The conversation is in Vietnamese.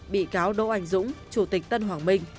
bị cáo đỗ anh dũng chủ tịch tân hoàng minh